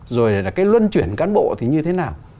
rồi là cái luân chuyển cán bộ thì như thế nào